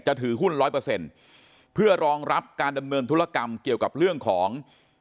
จะถือหุ้น๑๐๐เพื่อรองรับการดำเนินธุรกรรมเกี่ยวกับเรื่องของ